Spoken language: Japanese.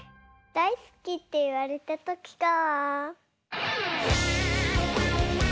「だいすき」っていわれたときか。